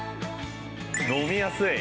飲みやすい！